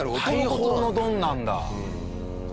大砲の「ドン」なんだ。